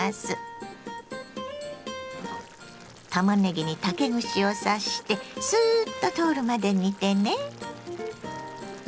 たまねぎに竹串を刺してスーッと通るまで煮てね。